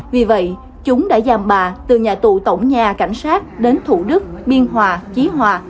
vì vậy chúng đã dàn bà từ nhà tù tổng nhà cảnh sát đến thủ đức biên hòa trí hòa